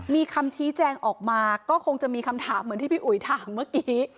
มีคำชี้แจงออกมาก็คงจะมีคำถามเหมือนที่พี่อุ๋ยถามเมื่อกี้